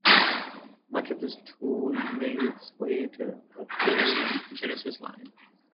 Much of this tooling made its way into the Athearn Genesis line.